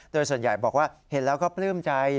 โดยส่วนใหญ่บอกว่าเห็นแล้วก็ปลื้มใจ